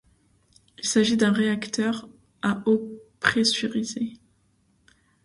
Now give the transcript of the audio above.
Il s’agit d’un réacteur à eau pressurisée.